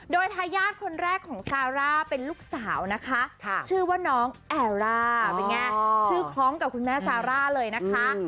โดยทายาทคนแรกของซาร่าเป็นลูกสาวนะคะชื่อว่าน้องแอร่าเป็นไงชื่อคล้องกับคุณแม่ซาร่าเลยนะคะ